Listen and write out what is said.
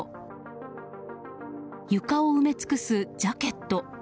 床を埋め尽くすジャケット